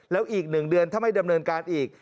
แล้วอีก๑เดือนถ้าไม่ดำเนินการอีก